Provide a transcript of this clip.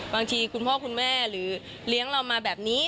คุณพ่อคุณแม่หรือเลี้ยงเรามาแบบนี้